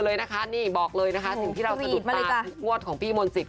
สิ่งที่เราจะดูตามงวดของพี่มลสิบ